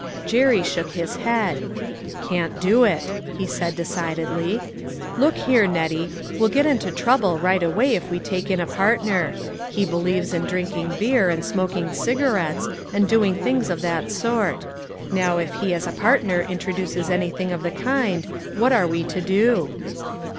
Jerry shook his head. "Can't do it," he said decidedly. " Look here, Nettie, we'll get into trouble right away if we take in a partner. He believes in drinking beer, and smoking cigarettes, and doing things of that sort ; now if he as a partner introduces anything of the kind, what are we to do?"